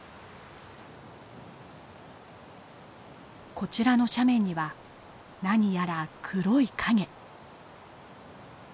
こちらの斜面には何やら黒い影。